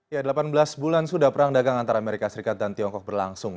ya delapan belas bulan sudah perang dagang antara amerika serikat dan tiongkok berlangsung